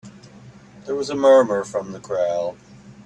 There was a murmur from the crowd.